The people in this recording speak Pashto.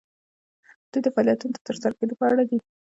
دوی د فعالیتونو د ترسره کیدو په اړه دي.